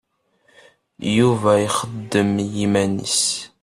Yuba ixeddem i yiman-nnes.